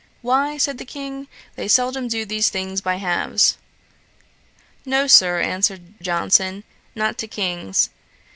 'Why, (said the King), they seldom do these things by halves.' 'No, Sir, (answered Johnson), not to Kings.'